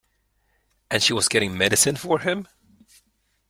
And she was getting medicine for him?